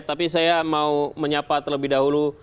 tapi saya mau menyapa terlebih dahulu